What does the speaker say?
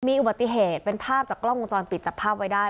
มีอุบัติเหตุเป็นภาพจากกล้องวงจรปิดจับภาพไว้ได้